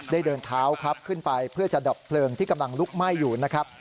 เดินเท้าครับขึ้นไปเพื่อจะดับเพลิงที่กำลังลุกไหม้อยู่นะครับ